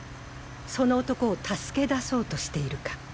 その男を助け出そうとしているか。